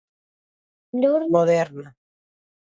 Moderna